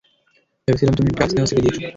ভেবেছিলাম তুমি ড্রাগস নেওয়া ছেড়ে দিয়েছো।